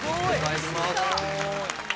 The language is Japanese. すごい。